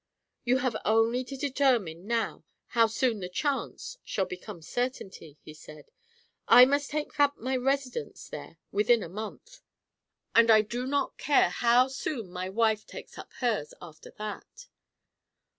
"You have only to determine now how soon the 'chance' shall become certainty," he said. "I must take up my residence there within a month, and I do not care how soon my wife takes up hers after that."